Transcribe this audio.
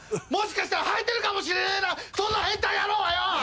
もしかしたらはいてるかもしれねえなそんな変態野郎はよ！